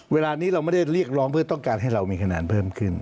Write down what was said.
เวลานี้เราไม่ได้เรียกร้องเพื่อต้องการให้เรามีคะแนนเพิ่มขึ้น